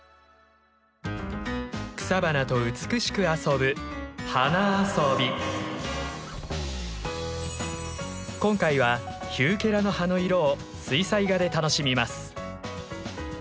草花と美しく遊ぶ今回はヒューケラの葉の色を水彩画で楽しみます。